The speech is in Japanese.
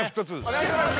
お願いします